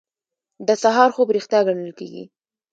د سهار خوب ریښتیا ګڼل کیږي.